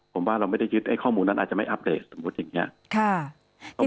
ผมว่าเราไม่ได้ยึดไอ้ข้อมูลนั้นอาจจะไม่อัปเดตสมมุติอย่างนี้